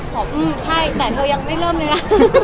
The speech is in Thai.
บอกอืมใช่แต่เธอยังไม่เริ่มเลยนะ